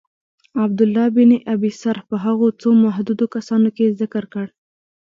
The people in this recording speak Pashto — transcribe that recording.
عبدالله بن ابی سرح په هغو څو محدودو کسانو کي ذکر کړ.